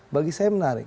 bagi saya menarik